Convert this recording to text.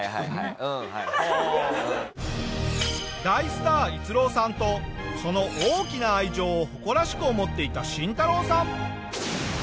大スター逸郎さんとその大きな愛情を誇らしく思っていたシンタロウさん。